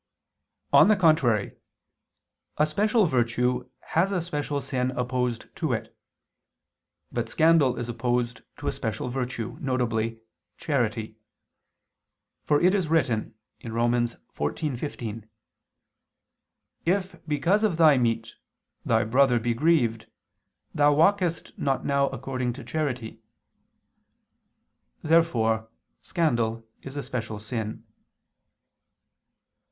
On the contrary, A special virtue has a special sin opposed to it. But scandal is opposed to a special virtue, viz. charity. For it is written (Rom. 14:15): "If, because of thy meat, thy brother be grieved, thou walkest not now according to charity." Therefore scandal is a special sin.